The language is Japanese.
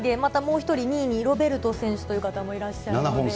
１人、２位にロベルト選手という方がいらっしゃって。